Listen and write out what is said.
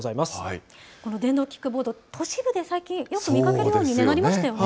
この電動キックボード、都市部で最近、よく見かけるようになりましたよね。